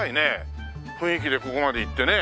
雰囲気でここまでいってね。